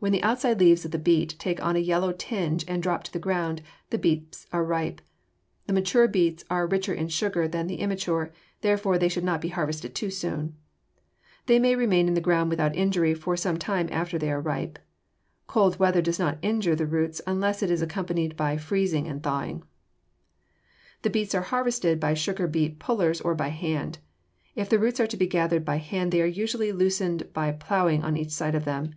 When the outside leaves of the beet take on a yellow tinge and drop to the ground, the beets are ripe. The mature beets are richer in sugar than the immature, therefore they should not be harvested too soon. They may remain in the ground without injury for some time after they are ripe. Cold weather does not injure the roots unless it is accompanied by freezing and thawing. [Illustration: FIG. 212. SUGAR BEETS ON THE WAY TO A FACTORY] The beets are harvested by sugar beet pullers or by hand. If the roots are to be gathered by hand they are usually loosened by plowing on each side of them.